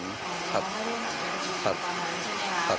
ตอนนั้นใช่ไหมครับ